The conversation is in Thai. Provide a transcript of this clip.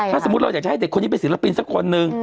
ถ้าสมมุติเราอยากจะให้เด็กคนนี้เป็นศิลปินสักคนนึง